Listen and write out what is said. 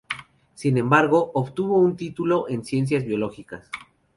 Sin embargo, obtuvo un título en ciencias biológicas.